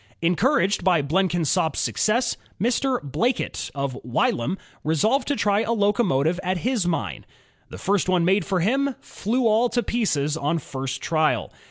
Encouraged by Blenkinsop's success, Mr. Blackett, of Wylam, resolved to try a locomotive at his mine. The first one made for him "flew all to pieces" on first trial.